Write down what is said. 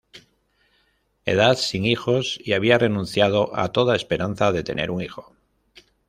Edad sin hijos y había renunciado a toda esperanza de tener un hijo.